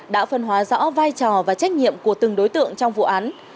đã phân hóa rõ vai trò và trách nhiệm của từng đối tượng trong vụ án